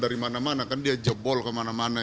dari mana mana kan dia jebol kemana mana